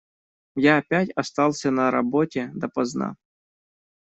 Я опять остался на работе допоздна.